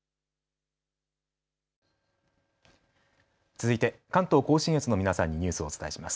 続いて関東甲信越の皆さんにニュースをお伝えします。